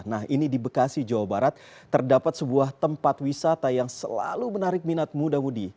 nah ini di bekasi jawa barat terdapat sebuah tempat wisata yang selalu menarik minat muda mudi